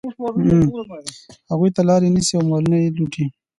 هغوی ته لاري نیسي او مالونه یې لوټي.